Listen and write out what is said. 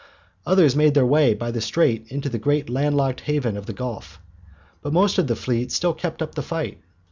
Others made their way by the strait into the great land locked haven of the Gulf. But most of the fleet still kept up the fight.